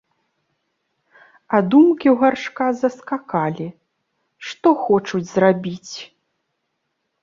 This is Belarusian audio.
А думкі ў Гаршка заскакалі: «Што хочуць зрабіць?